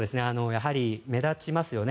やはり目立ちますよね。